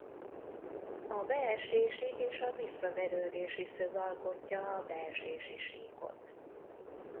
A beesési- és a visszaverődési szög alkotja a beesési síkot.